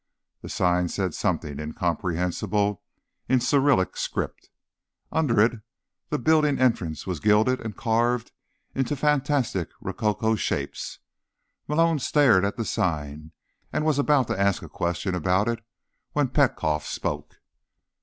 The sign said something incomprehensible in Cyrillic script. Under it, the building entrance was gilded and carved into fantastic rococo shapes. Malone stared at the sign, and was about to ask a question about it when Petkoff spoke.